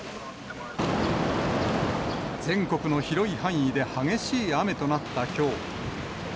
全国の広い範囲で激しい雨となったきょう。